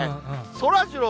そらジロー。